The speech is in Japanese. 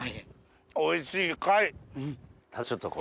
おいしい貝。